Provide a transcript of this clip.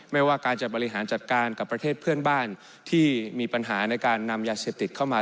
ไม่ว่าการจะบริหารจัดการกับประเทศเพื่อนบ้านที่มีปัญหาในการนำยาเสพติดเข้ามา